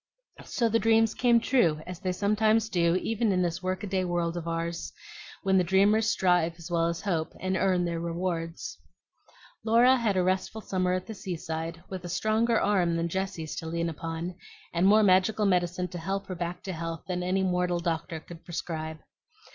So the dreams came true, as they sometimes do even in this work a day world of ours, when the dreamers strive as well as hope, and earn their rewards. Laura had a restful summer at the seaside, with a stronger arm than Jessie's to lean upon, and more magical medicine to help her back to health than any mortal doctor could prescribe.